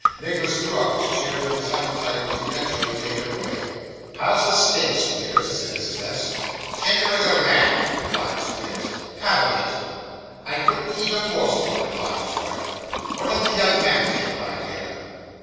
Nicholas drew up his chair, but his appetite was effectually taken away. 'How's the steak, Squeers?' said Mrs. S. 'Tender as a lamb,' replied Squeers. 'Have a bit.' 'I couldn't eat a morsel,' replied his wife. 'What'll the young man take, my dear?